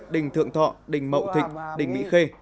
đình thượng thọ đình mậu thịnh đình mỹ khê